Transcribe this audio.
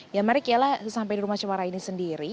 ya mari kela sampai di rumah cemara ini sendiri